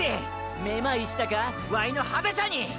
めまいしたかワイの派手さに！！